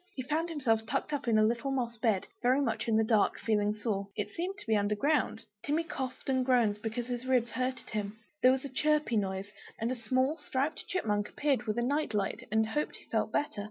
He found himself tucked up in a little moss bed, very much in the dark, feeling sore; it seemed to be under ground. Timmy coughed and groaned, because his ribs hurted him. There was a chirpy noise, and a small striped Chipmunk appeared with a night light, and hoped he felt better?